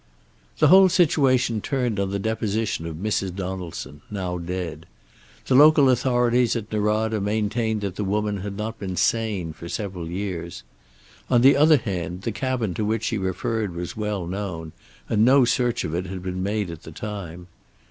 The whole situation turned on the deposition of Mrs. Donaldson, now dead. The local authorities at Norada maintained that the woman had not been sane for several years. On the other hand, the cabin to which she referred was well known, and no search of it had been made at the time.